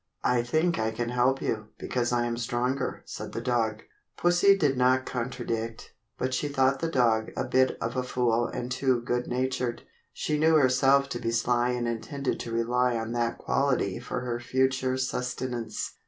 "I think I can help you, because I am the stronger," said the dog. Pussie did not contradict, but she thought the dog a bit of a fool and too good natured. She knew herself to be sly and intended to rely on that quality for her future sustenance.